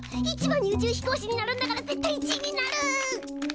１番に宇宙飛行士になるんだから絶対１位になる！